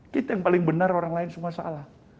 kita yang paling benar orang lain semua salah